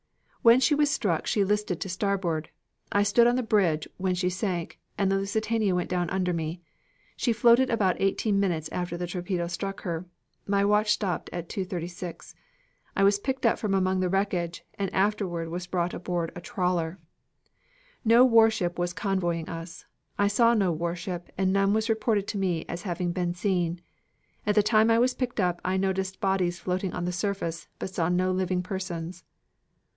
"When she was struck she listed to starboard. I stood on the bridge when she sank, and the Lusitania went down under me. She floated about eighteen minutes after the torpedo struck her. My watch stopped at 2.36. I was picked up from among the wreckage and afterward was brought aboard a trawler. "No warship was convoying us. I saw no warship, and none was reported to me as having been seen. At the time I was picked up I noticed bodies floating on the surface, but saw no living persons."